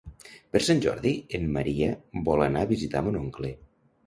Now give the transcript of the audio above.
Per Sant Jordi en Maria vol anar a visitar mon oncle.